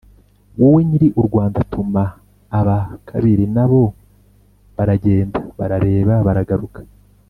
wowe nyiri u rwanda.” atuma aba kabiri na bo baragenda barareba baragaruka